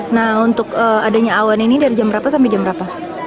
nah untuk adanya awan ini dari jam berapa sampai jam berapa